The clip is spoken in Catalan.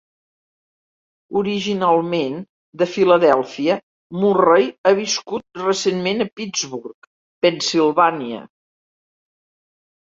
Originalment de Philadelphia, Murray ha viscut recentment a Pittsburgh, Pennsilvània.